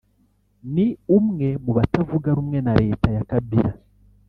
ni umwe mu batavuga rumwe na Leta ya Kabila